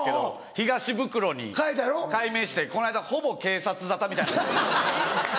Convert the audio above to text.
東ブクロに改名してこの間ほぼ警察沙汰みたいなことに。